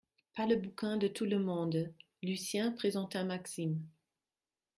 Pas le bouquin de tout le monde. Lucien présenta Maxime.